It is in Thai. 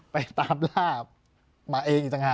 ไปตามล่ามาเองอีกต่างหาก